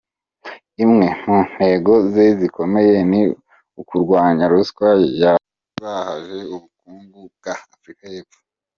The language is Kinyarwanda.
Imwe mu ntego ze zikomeye ni ukurwanya ruswa yazahaje ubukungu bwa Afurika y’Epfo.